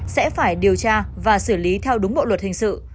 sẽ phải điều tra và xử lý theo đúng bộ luật hình sự